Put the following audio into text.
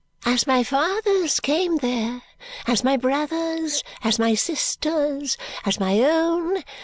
As my father's came there. As my brother's. As my sister's. As my own.